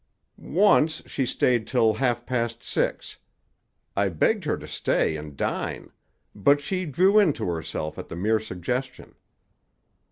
"Once she stayed till half past six. I begged her to stay and dine; but she drew into herself at the mere suggestion."